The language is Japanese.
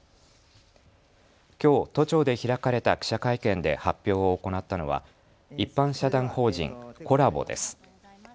きょう都庁で開かれた記者会見で発表を行ったのは一般社団法人Ｃｏｌａｂｏです。